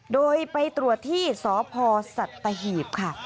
โดยไปตรวจที่สพสัตหีบค่ะ